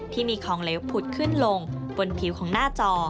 ที่มีของเหลวผุดขึ้นลงบนผิวของหน้าจอ